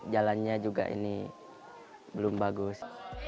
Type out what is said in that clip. jalannya juga ini belum bagus